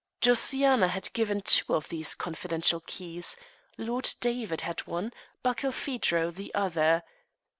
Josiana had given two of these confidential keys Lord David had one, Barkilphedro the other.